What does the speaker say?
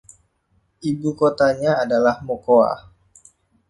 Ibukotanya adalah Mocoa.